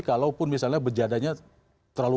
kalaupun misalnya berjadanya tidak